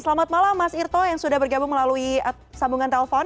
selamat malam mas irto yang sudah bergabung melalui sambungan telpon